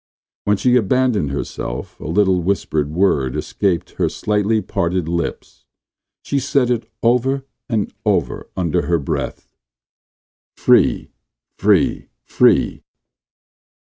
When she abandoned herself a little whispered word escaped her slightly parted lips. She said it over and over under her breath: "free, free, free!"